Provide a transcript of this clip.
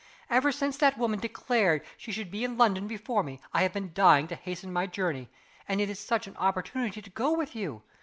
Ever since that woman declared she should be in London before me, I have been dying to hasten my journey and it is such an opportunity to go with you!